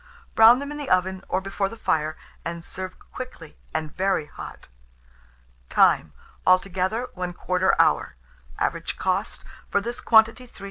Brown them in the oven, or before the fire, and serve quickly, and very hot. Time. Altogether, 1/4 hour. Average cost for this quantity, 3s.